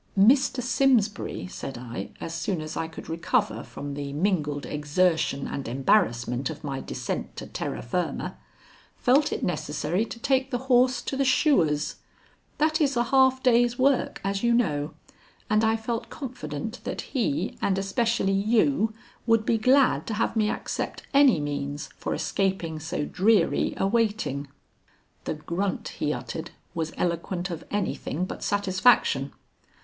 "Mr. Simsbury," said I as soon as I could recover from the mingled exertion and embarrassment of my descent to terra firma, "felt it necessary to take the horse to the shoer's. That is a half day's work, as you know, and I felt confident that he and especially you would be glad to have me accept any means for escaping so dreary a waiting." The grunt he uttered was eloquent of anything but satisfaction.